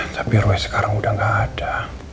tapi roy sekarang udah gak ada